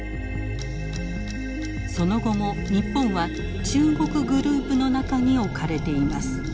その後も日本は中国グループの中に置かれています。